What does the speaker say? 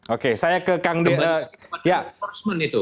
oke saya ke kang dedy